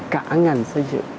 cả ngành xây dựng